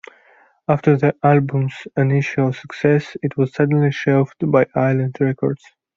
After the album's initial success, it was suddenly shelved by Island Records.